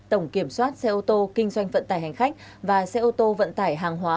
tổng kiểm soát xe ô tô kinh doanh vận tải hành khách và xe ô tô vận tải hàng hóa